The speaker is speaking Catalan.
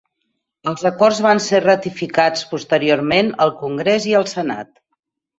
Els acords van ser ratificats posteriorment al Congrés i al Senat.